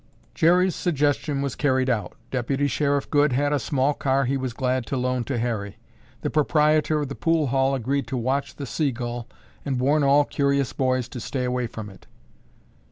Jerry's suggestion was carried out. Deputy Sheriff Goode had a small car he was glad to loan to Harry. The proprietor of the pool hall agreed to watch the "Seagull" and warn all curious boys to stay away from it.